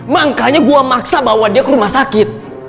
makanya gue maksa bawa dia ke rumah sakit